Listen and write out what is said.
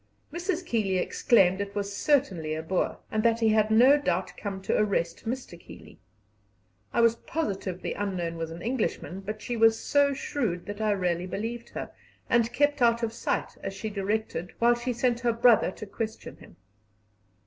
Mrs. Keeley exclaimed it was certainly a Boer, and that he had no doubt come to arrest Mr. Keeley. I was positive the unknown was an Englishman, but she was so shrewd that I really believed her, and kept out of sight as she directed, while she sent her brother to question him.